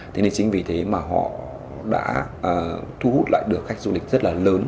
thế nên chính vì thế mà họ đã thu hút lại được khách du lịch rất là lớn